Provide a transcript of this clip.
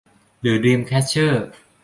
หรือดรีมแคชเชอร์